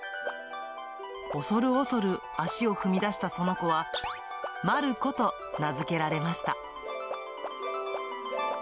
恐る恐る足を踏み出したその子は、まること名付けられました。